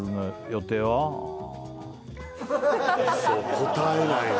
答えないの。